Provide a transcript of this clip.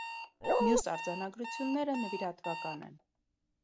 Մյուս արձանագրությունները նվիրատվական են։